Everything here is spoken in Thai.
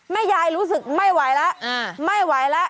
แม่ยายรู้สึกไม่ไหวละไม่ไหวละ